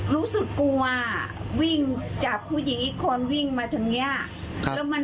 รู้สึกกลัววิ่งจับผู้หญิงอีกคนวิ่งมาทางนี้